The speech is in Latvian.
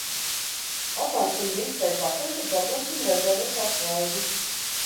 Atnāksim rīt tai pakaļ, kad dabūsim rezerves atslēgu!